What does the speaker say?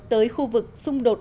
tới khu vực xung đột